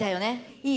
いい？